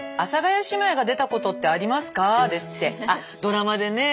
あドラマでねえ